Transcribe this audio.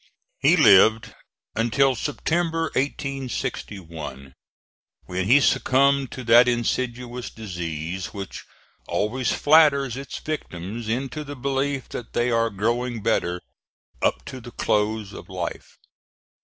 He lived until September, 1861, when he succumbed to that insidious disease which always flatters its victims into the belief that they are growing better up to the close of life.